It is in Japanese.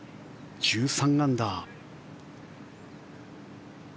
１３アンダー。